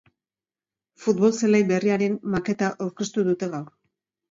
Futbol-zelai berriaren maketa aurkeztu dute gaur.